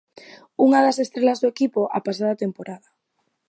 Unha das estrelas do equipo a pasada temporada.